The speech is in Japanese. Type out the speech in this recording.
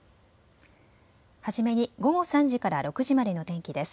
初めに午後３時から６時までの天気です。